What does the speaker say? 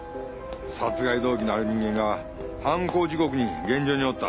殺害動機のある人間が犯行時刻に現場におった。